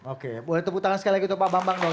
oke boleh tepuk tangan sekali lagi untuk pak bambang dong